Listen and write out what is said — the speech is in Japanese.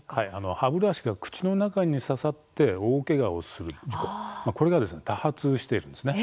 歯ブラシが口の中に刺さって大けがをする事故これが多発しているんです。